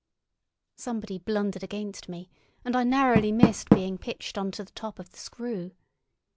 Somebody blundered against me, and I narrowly missed being pitched onto the top of the screw.